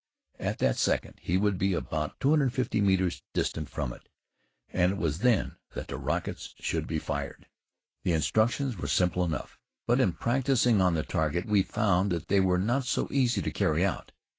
At that second he would be about 250 metres distant from it, and it was then that the rockets should be fired. The instructions were simple enough, but in practicing on the target we found that they were not so easy to carry out.